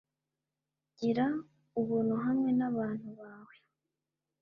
gira ubuntu hamwe nabantu bawe